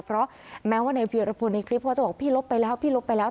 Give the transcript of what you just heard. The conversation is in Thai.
เพราะแม้ว่าในเวียรพลในคลิปเขาจะบอกพี่ลบไปแล้วพี่ลบไปแล้ว